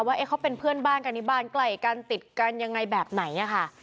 ว่าเขาเป็นเพื่อนบ้านกันในบ้านใกล้กันติดกันยังไงแบบไหนค่ะ